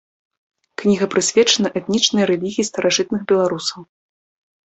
Кніга прысвечана этнічнай рэлігіі старажытных беларусаў.